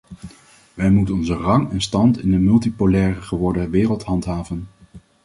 Wij moeten onze rang en stand in een multipolair geworden wereld handhaven.